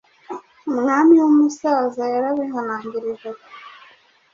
Umwami w’umusaza yarabihanangirije ati,